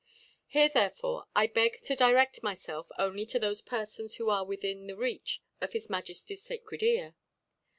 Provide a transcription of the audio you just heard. Hiere therefore I beg to direft myfelf on!y 10 thofb Perfonswho are wtthm the Reach of his Majefty's facred Ear.